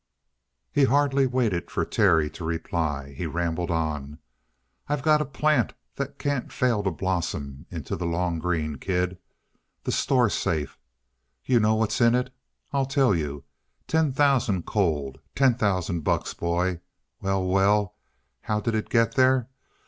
He hardly waited for Terry to reply. He rambled on. "I got a plant that can't fail to blossom into the long green, kid. The store safe. You know what's in it? I'll tell you. Ten thousand cold. Ten thousand bucks, boy. Well, well, and how did it get there?